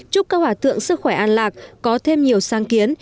chúc các hòa thượng sức khỏe an lạc có thêm nhiều sang kiến